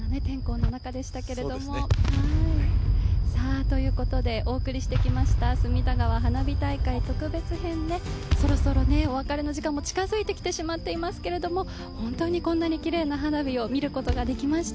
そうですね。ということでお送りしてきました隅田川花火大会、特別編、そろそろお別れの時間も近づいてきてしまってますけども本当にこんなにきれいな花火を見ることができました。